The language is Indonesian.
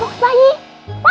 sini pelan pelan pelan pelan